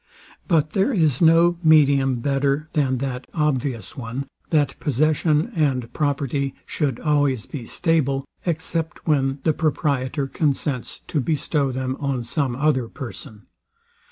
But there is no medium better than that obvious one, that possession and property should always be stable, except when the proprietor consents to bestow them on some other person.